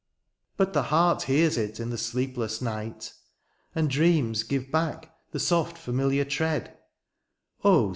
But the heart hears it in the sleepless night ; And dreams give back the soft famiUar tread ; Oh